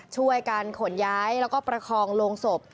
ช่วยกันขนย้ายแล้วก็ประคองโรงศพ